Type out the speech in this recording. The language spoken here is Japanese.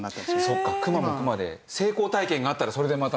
そっかクマもクマで成功体験があったらそれでまたね。